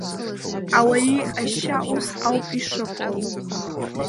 Ауаҩы иҟазшьа ус ауп ишыҟоу…